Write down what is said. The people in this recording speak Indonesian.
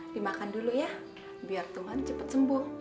dimakan dulu ya biar tuhan cepat sembuh